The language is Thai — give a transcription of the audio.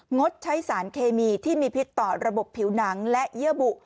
งดใช้สารเคมีที่มีพิษต่อระบบผิวหนังและเยื่อบุ